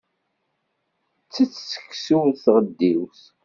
Ttett seksu s tɣeddiwt.